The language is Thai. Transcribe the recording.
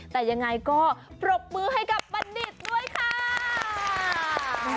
แต่ยังไงก็ปรบมือให้กับบัณฑิตด้วยค่ะ